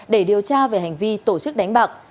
để điều tra về hành vi tổ chức đánh bạc